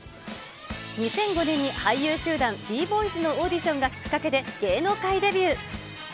２００５年に俳優集団、ＤーＢＯＹＳのオーディションがきっかけで、芸能界デビュー。